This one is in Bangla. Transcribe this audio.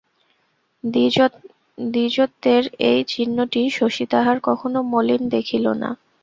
দ্বিজত্বের এই চিহ্নটি শশী তাহার কখনো মলিন দেখিল না।